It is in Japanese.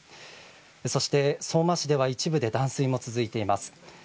そして、相馬市では一部で断水も続いています。